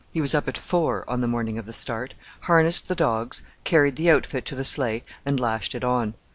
He was up at four on the morning of the start, harnessed the dogs, carried the outfit to the sleigh, and lashed it on.